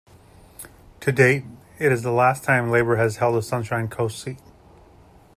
To date, it is the last time Labor has held a Sunshine Coast seat.